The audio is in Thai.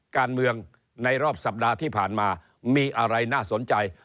การเมืองในรอบสัปดาห์ที่ผ่านมามีอะไรน่าสนใจ